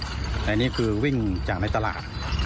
อันนี้คือวิ่งจากในตลาด